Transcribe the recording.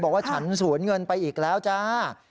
บอกว่าฉันสูญเงินไปอีกแล้วจ้า